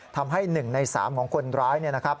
ทำให้๑ใน๓ของคนร้ายเนี่ยนะครับ